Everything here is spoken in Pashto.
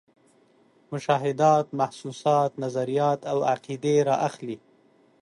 مشاهدات، محسوسات، نظریات او عقیدې را اخلي.